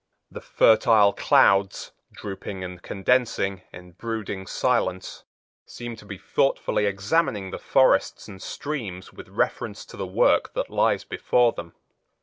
The fertile clouds, drooping and condensing in brooding silence, seem to be thoughtfully examining the forests and streams with reference to the work that lies before them.